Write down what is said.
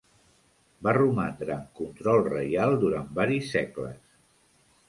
Va romandre en control reial durant varis segles.